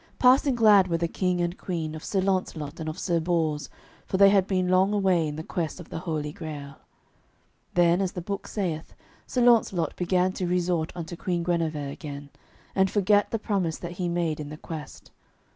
Passing glad were the King and the Queen of Sir Launcelot and of Sir Bors, for they had been long away in the quest of the Holy Grail. Then, as the book saith, Sir Launcelot began to resort unto Queen Guenever again, and forgat the promise that he made in the quest.